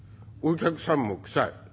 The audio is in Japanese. お客さんも臭い。